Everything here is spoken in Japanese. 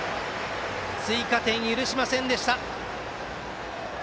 追加点、許しませんでした。